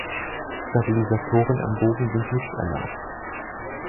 Stabilisatoren am Bogen sind nicht erlaubt.